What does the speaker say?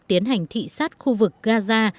tiến hành thị sát khu vực gaza